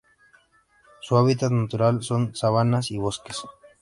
Su hábitat natural son: sabanas y bosques.